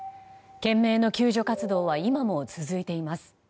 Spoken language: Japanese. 懸命の救助活動は今も続いています。